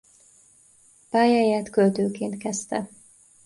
Pályáját költőként kezdte.